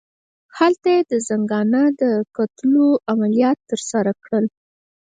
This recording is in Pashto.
هلته یې د زنګانه د کتلولو عملیات ترسره کړل.